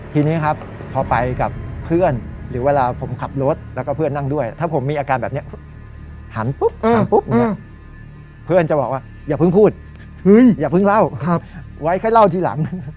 ทีนี้ครับพอไปกับเพื่อนหรือเวลาผมขับรถแล้วก็เพื่อนนั่งด้วยถ้าผมมีอาการแบบนี้หันปุ๊บหันปุ๊บเนี่ยเพื่อนจะบอกว่าอย่าเพิ่งพูดอย่าเพิ่งเล่าไว้ค่อยเล่าทีหลัง